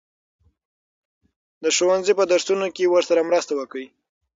د ښوونځي په درسونو کې ورسره مرسته وکړئ.